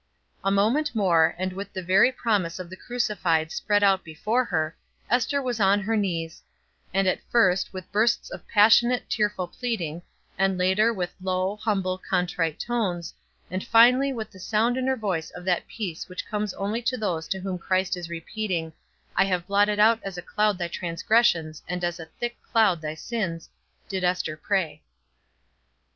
A moment more, and with the very promise of the Crucified spread out before her, Ester was on her knees; and at first, with bursts of passionate, tearful pleading, and later with low, humble, contrite tones, and finally with the sound in her voice of that peace which comes only to those to whom Christ is repeating: "I have blotted out as a cloud thy transgressions, and as a thick cloud thy sins," did Ester pray.